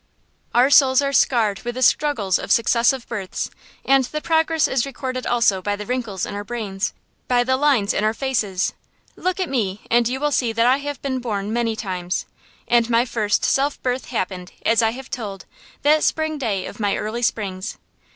Our souls are scarred with the struggles of successive births, and the process is recorded also by the wrinkles in our brains, by the lines in our faces. Look at me and you will see that I have been born many times. And my first self birth happened, as I have told, that spring day of my early springs.